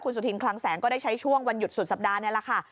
สุธินคลังแสงก็ได้ใช้ช่วงวันหยุดสุดสัปดาห์นี่แหละค่ะ